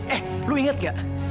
eh lu inget gak